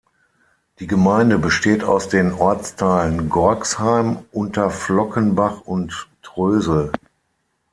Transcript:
Die Gemeinde besteht aus den Ortsteilen Gorxheim, Unter-Flockenbach und Trösel.